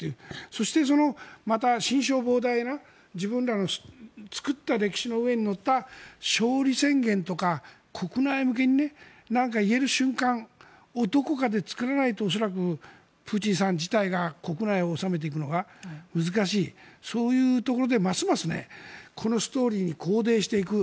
そして、また針小棒大な自分らの作った歴史の上に乗った勝利宣言とかを国内向けに何か言える瞬間をどこかで作らないと恐らく、プーチンさん自体が国内を治めていくのが難しいというところで、ますますこのストーリーに拘泥していく。